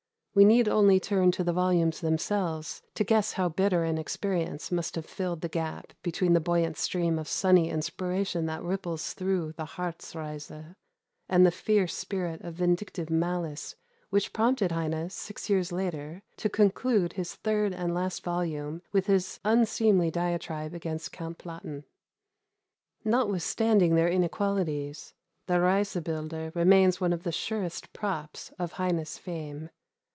We need only turn to the volumes themselves to guess how bitter an experience must have filled the gap between the buoyant stream of sunny inspiration that ripples through the Harz Reise, and the fierce spirit of vindictive malice which prompted Heine, six years later, to conclude his third and last volume with his unseemly diatribe against Count Platen. Notwithstanding their inequalities, the Reisebilder remain one of the surest props of Heine's fame.